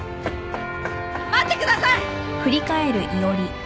待ってください！